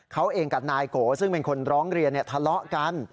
เขาเองกับนายโกซึ่งเป็นคนร้องเรียนทะเลาะกัน